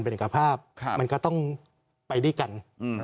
เป็นเอกภาพมันก็ต้องไปด้วยกัน